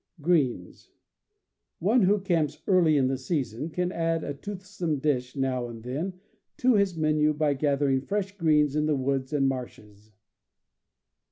Greens. — One who camps early in the season can add a toothsome dish, now and then, to his menu by gathering fresh greens in the woods and marshes.